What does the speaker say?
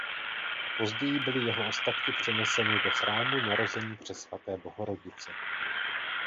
Později byly jeho ostatky přeneseny do chrámu Narození Přesvaté Bohorodice.